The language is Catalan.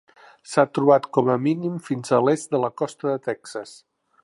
S'ha trobat com a mínim fins a l'est de la costa de Texas.